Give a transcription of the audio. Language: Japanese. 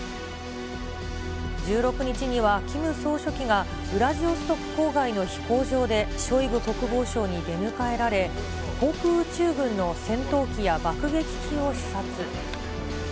１６日には、キム総書記がウラジオストク郊外の飛行場でショイグ国防相に出迎えられ、航空宇宙軍の戦闘機や爆撃機を視察。